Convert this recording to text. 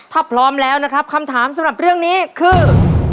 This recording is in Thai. ถ้าพร้อมแล้วนะครับคำถามสำหรับเรื่องนี้คือ